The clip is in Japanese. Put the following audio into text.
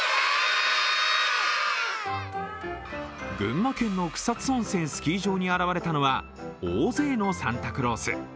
群馬県の草津温泉スキー場に現れたのは大勢のサンタクロース。